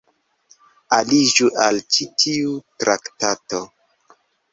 Aliĝu al ĉi tiu traktato.